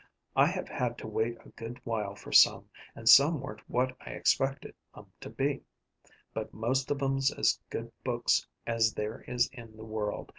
I have had to wait a good while for some, and some weren't what I expected 'em to be, but most of 'em's as good books as there is in the world.